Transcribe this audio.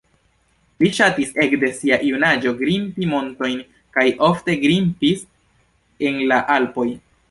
Li ŝatis ekde sia junaĝo grimpi montojn kaj ofte grimpis en la Alpoj.